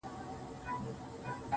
ځوان ژاړي سلگۍ وهي خبري کوي_